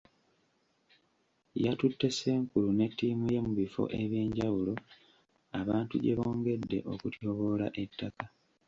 Yatutte Ssenkulu ne ttiimu ye mu bifo ebyenjawulo abantu gye bongedde okutyoboola ettaka.